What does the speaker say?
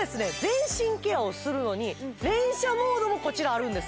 全身ケアをするのに連射モードもこちらあるんです